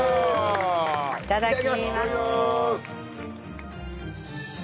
いただきます！